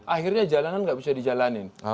akhirnya jalanan nggak bisa di jalanin